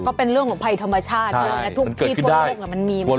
ก็เป็นเรื่องของภัยธรรมชาติใช่มันเกิดขึ้นได้มันมีเหมือนกัน